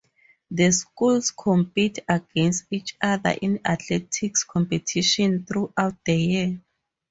The schools compete against each other in athletic competition throughout the year.